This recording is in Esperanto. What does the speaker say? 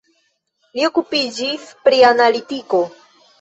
Li okupiĝis pri analitiko.